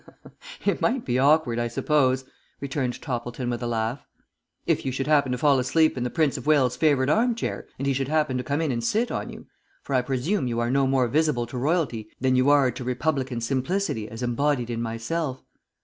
"It might be awkward, I suppose," returned Toppleton with a laugh, "if you should happen to fall asleep in the Prince of Wales' favourite arm chair, and he should happen to come in and sit on you, for I presume you are no more visible to Royalty than you are to Republican simplicity as embodied in myself.